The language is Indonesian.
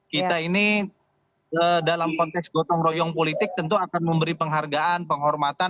kita ini dalam konteks gotong royong politik tentu akan memberi penghargaan penghormatan